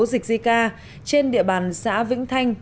dịch zika trên địa bàn xã vĩnh thanh